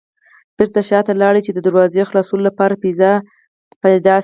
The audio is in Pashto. بېرته شاته لاړل چې د دراوزو خلاصولو لپاره فضا پيدا شي.